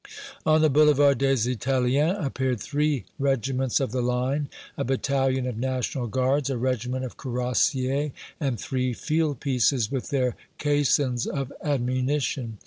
On the Boulevard des Italiens appeared three regiments of the Line, a battalion of National Guards, a regiment of cuirassiers, and three field pieces, with their caissons of ammunition.